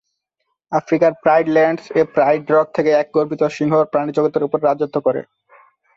আফ্রিকার প্রাইড ল্যান্ডস-এ Pride Rock থেকে এক গর্বিত সিংহ প্রাণীজগতের উপরে রাজত্ব করে।